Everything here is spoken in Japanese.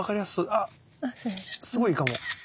あっすごいいいかも。